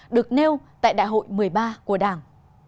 được nêu tại đại hội một mươi ba của đảng